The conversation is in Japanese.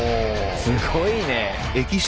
すごいね。